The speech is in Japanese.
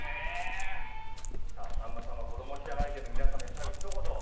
さあさんま様子ども記者会見の皆様に最後ひと言。